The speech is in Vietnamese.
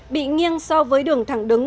bị nghiêng so với đường thẳng đứng